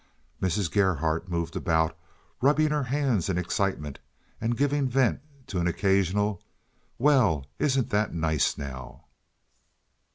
Mrs. Gerhardt moved about, rubbing her hands in her excitement, and giving vent to an occasional "Well, isn't that nice now!"